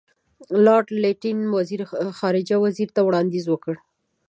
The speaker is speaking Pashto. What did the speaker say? لارډ لیټن خارجه وزیر ته وړاندیز وکړ.